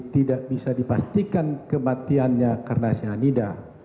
tidak bisa dipastikan kematiannya karena cyanida